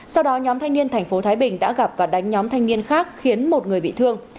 sau đó nhóm thanh niên thành phố thái bình đã gặp và đánh nhóm thanh niên khác khiến một người bị thương